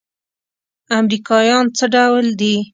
امريکايان څه ډول دي.